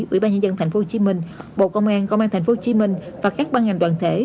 ủy ban nhân dân tp hcm bộ công an công an tp hcm và các ban ngành đoàn thể